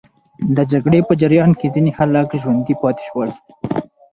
د جګړې په جریان کې ځینې خلک ژوندي پاتې سول.